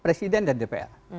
presiden dan dpr